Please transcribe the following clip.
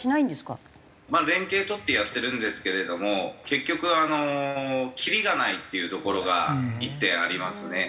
連携取ってやってるんですけれども結局きりがないっていうところが１点ありますね。